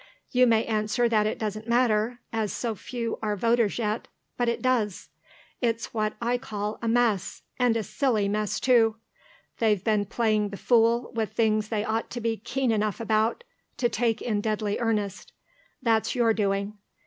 You may answer that it doesn't matter, as so few are voters yet; but it does. It's what I call a mess; and a silly mess, too. They've been playing the fool with things they ought to be keen enough about to take in deadly earnest. That's your doing.